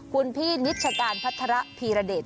คุณพี่นิจการพัฒนาภิรเดช